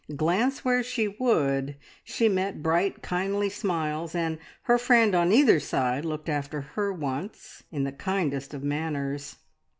Glance where she would, she met bright, kindly smiles, and her friend on either side looked after her wants in the kindest of manners.